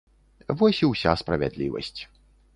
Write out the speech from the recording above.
Вось і ўся справядлівасць.